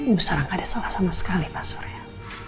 bisa tidak ada salah sama sekali pak surya